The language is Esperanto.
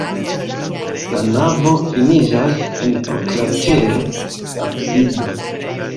La navo finiĝas en oklatera absido.